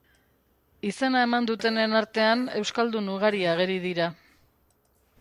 Izena eman dutenen artean euskaldun ugari ageri dira.